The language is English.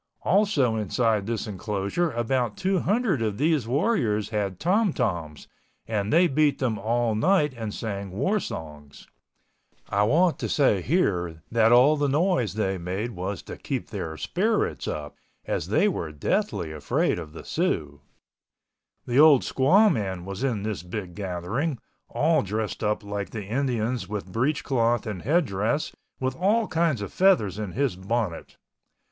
Also inside this enclosure about two hundred of these warriors had tom toms and they beat them all night and sang war songs. I want to say here that all the noise they made was to keep their spirits up, as they were deathly afraid of the Siouxs. The old squaw man was in this big gathering, all dressed up like the Indians with britch cloth and head dress with all kinds of feathers in his bonnet.